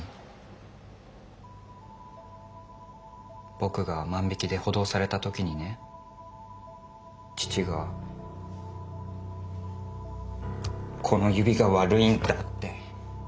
僕が万引きで補導された時にね父がこの指が悪いんだって。